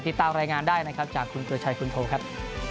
ติดตามรายงานได้นะครับจากคุณเกลือชัยคุณโทครับ